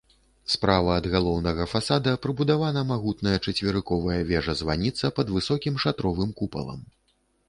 Справа ад галоўнага фасада прыбудавана магутная чацверыковая вежа-званіца пад высокім шатровым купалам.